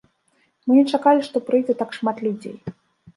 Мы не чакалі, што прыйдзе так шмат людзей.